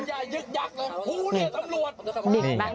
อย่ายึกยักลงภูนิษฐ์ตำรวจ